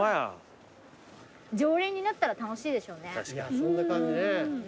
そんな感じね。